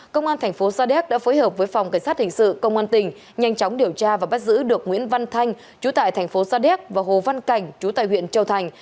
công an thành phố sa đéc đã phối hợp với phòng cảnh sát hình sự công an tỉnh nhanh chóng điều tra và bắt giữ được nguyễn văn thanh chú tại thành phố sa đéc và hồ văn cảnh chú tại huyện châu thành